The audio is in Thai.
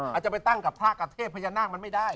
อาจจะไปตั้งกับพระกับเทพพญานาคมันไม่ได้